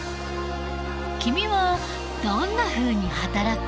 君はどんなふうに働く？